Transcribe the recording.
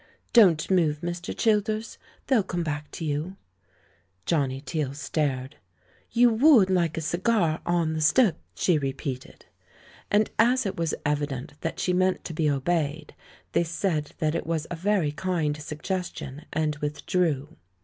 Don't move, Mr. Childers. They'll come back to you." Johnny Teale stared. "You would like a cigar on the stoep, she 114. THE MAN WHO UNDERSTOOD WOMEN repeated. And as it was evident that she meant to be obeyed, they said that it was a very kind suggestion, and withdrew.